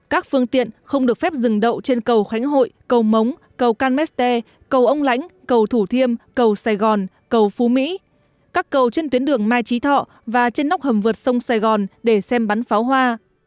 các phương tiện không được phép dừng đậu trên cầu khánh hội cầu mống cầu can mester cầu ông lãnh cầu thủ thiêm cầu sài gòn cầu phú mỹ các cầu trên tuyến đường mai trí thọ và trên nóc hầm vượt sông sài gòn để xem bắn pháo hoa